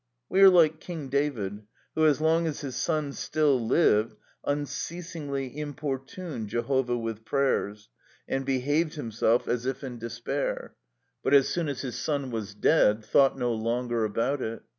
We are like King David, who, as long as his son still lived, unceasingly importuned Jehovah with prayers, and behaved himself as if in despair; but as soon as his son was dead, thought no longer about it.